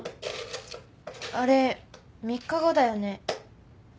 あれ３日後だよね？